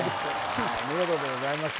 見事でございます